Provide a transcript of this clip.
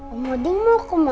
om odin mau kemana